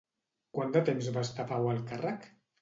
Quant de temps va estar Pau al càrrec?